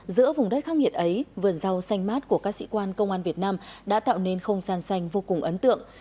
giữa vùng đất khắc nghiệt ấy vườn rau xanh mát của các sĩ quan công an việt nam đã tạo nên không gian xanh vô cùng ấn tượng